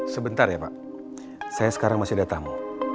sebentar ya pak saya sekarang masih ada tamu